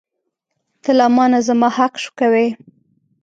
ته له مانه زما حق شوکوې.